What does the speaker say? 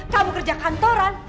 kamu kerja kantoran